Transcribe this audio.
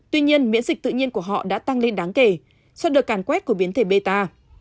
tuy nhiên miễn dịch tự nhiên của họ đã tăng lên đáng kể so với đợt càn quét của biến thể beta